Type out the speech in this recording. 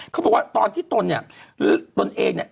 เขาบอกว่าตอนที่ตนเนี่ยหรือตนเองเนี่ย